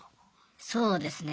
そうですね。